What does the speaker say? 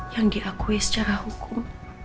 yang diakui secara hukum